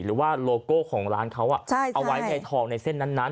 หรือว่าโลโก้ของร้านเขาเอาไว้ในทองในเส้นนั้น